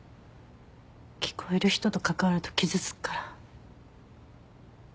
聞こえる人と関わると傷つくから。